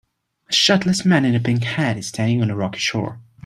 A shirtless man in a pink hat is standing on a rocky shore.